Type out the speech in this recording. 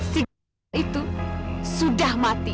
si gebel itu sudah mati